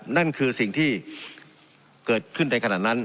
นั่นคือสิ่งที่เกิดขึ้นในขณะนั้น